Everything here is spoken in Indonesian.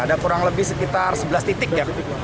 ada kurang lebih sekitar sebelas titik ya